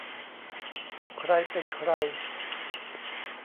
ใครเป็นใคร